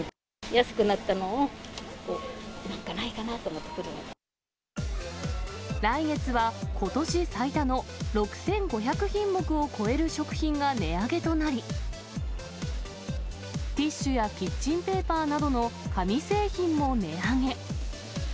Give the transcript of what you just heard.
安くなったのを、来月は、ことし最多の６５００品目を超える食品が値上げとなり、ティッシュやキッチンペーパーなどの紙製品も値上げ。